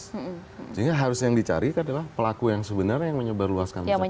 sehingga harus yang dicarikan adalah pelaku yang sebenarnya yang menyebarluaskan percakapan itu